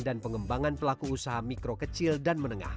dan pengembangan pelaku usaha mikro kecil dan menengah